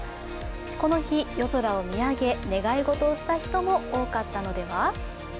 この日、夜空を見上げ願い事をした人も多かったのでは。